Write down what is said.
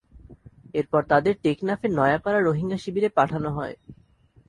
এরপর তাঁদের টেকনাফের নয়াপাড়া রোহিঙ্গা শিবিরে পাঠানো হয়।